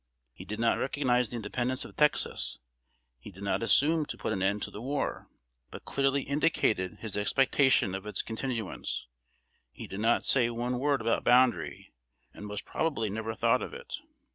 He did not recognize the independence of Texas; he did not assume to put an end to the war, but clearly indicated his expectation of its continuance; he did not say one word about boundary, and most probably never thought of it.